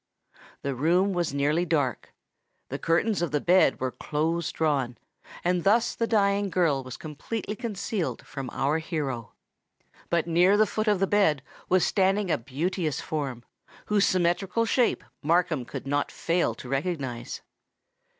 The room was nearly dark; the curtains of the bed were close drawn; and thus the dying girl was completely concealed from our hero. But near the foot of the bed was standing a beauteous form, whose symmetrical shape Markham could not fail to recognise.